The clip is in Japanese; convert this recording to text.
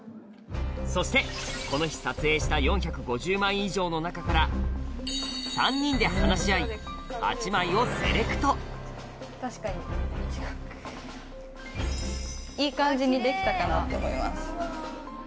そしてこの日撮影した４５０枚以上の中から３人で話し合いいい感じに出来たかなと思います。